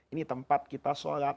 ini tempat kita solat